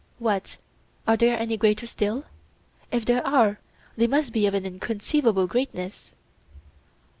What, are there any greater still? If there are, they must be of an inconceivable greatness.